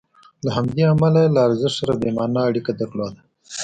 له همدې امله یې له ارزښت سره بې معنا اړیکه درلوده.